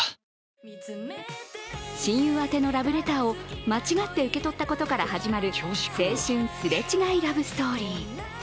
親友宛のラブレターを間違って受け取ったことから始まる青春すれ違いラブストーリー。